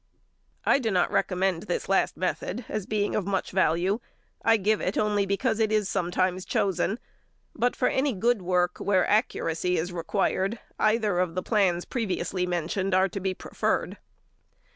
I do not recommend this last method as being of much value; I give it only because it is sometimes chosen; but for any good work, where accuracy is required, either of the plans mentioned previously are to be preferred.